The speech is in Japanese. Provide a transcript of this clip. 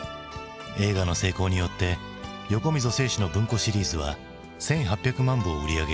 映画の成功によって横溝正史の文庫シリーズは１，８００万部を売り上げる。